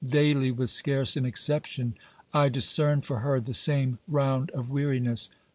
Daily, with scarce an exception, I discern for her the same round of weariness.